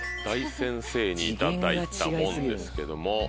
大先生に頂いたもんですけども。